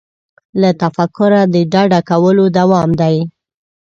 له تفکره د ډډه کولو دوام دی.